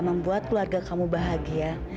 membuat keluarga kamu bahagia